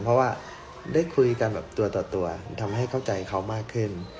เพราะว่าได้คุยกันแบบตัวต่อตัวทำให้เข้าใจเขามากขึ้น